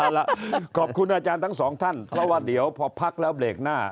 เอาล่ะขอบคุณอาจารย์ทั้งสองท่านเพราะว่าเดี๋ยวพอพักแล้วเบรกหน้า